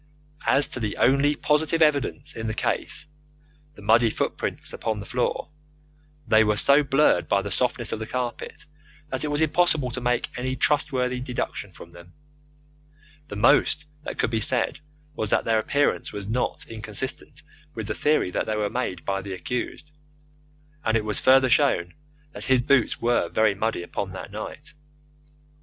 As to the only positive evidence in the case the muddy footmarks upon the floor they were so blurred by the softness of the carpet that it was impossible to make any trustworthy deduction from them. The most that could be said was that their appearance was not inconsistent with the theory that they were made by the accused, and it was further shown that his boots were very muddy upon that night.